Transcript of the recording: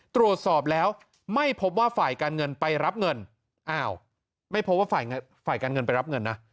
ตรวจสอบแล้วไม่พบว่าฝ่ายการเงินไปรับเงินอ้าวไม่พบว่าฝ่ายการเงินไปรับเงินนะ